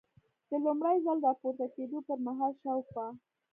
د لومړي ځل را پورته کېدو پر مهال شاوخوا.